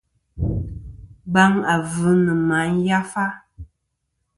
Baŋ avɨ nɨ ma yafa.